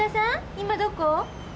今どこ？